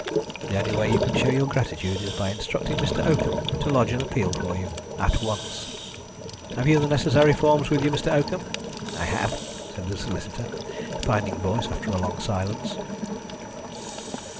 "The only way you can show your gratitude is by instructing Mr. Oakham to lodge an appeal for you at once. Have you the necessary forms with you, Mr. Oakham?" "I have," said the solicitor, finding voice after a long silence.